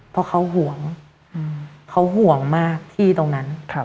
เพราะเขาห่วงเขาห่วงมากที่ตรงนั้น